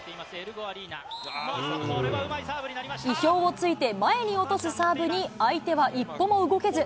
意表をついて、前に落とすサーブに、相手は一歩も動けず。